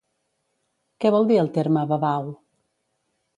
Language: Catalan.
Què vol dir el terme babau?